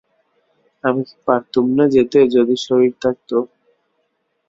আমি কি পারতুম না যেতে যদি শরীর থাকত।